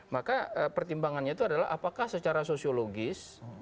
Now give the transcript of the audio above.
maka pertimbangannya itu adalah apakah secara sosiologis